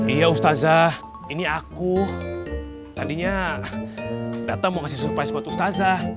iya ustazah ini aku tadinya datang mau kasih surprise buat ustazah